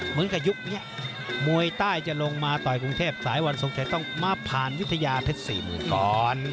เหมือนกับยุคนี้มวยใต้จะลงมาต่อยกรุงเทพสายวันทรงชัยต้องมาผ่านวิทยาเพชร๔๐๐๐ก่อน